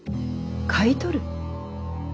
買い取る？